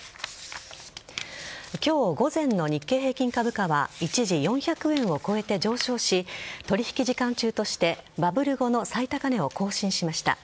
今日午前の日経平均株価は一時４００円を超えて上昇し取引時間中としてバブル後の最高値を更新しました。